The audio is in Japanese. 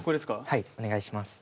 はいお願いします。